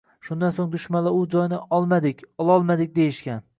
Shundan soʻng dushmanlar u joyni “olmadik”, “ololmadik” deyishgan